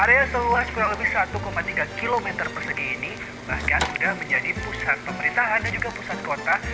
area seluas kurang lebih satu tiga km persegi ini bahkan sudah menjadi pusat pemerintahan dan juga pusat kota